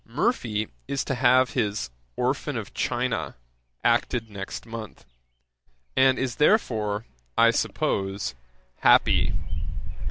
] 'Murphy is to have his Orphan of China acted next month; and is therefore, I suppose, happy.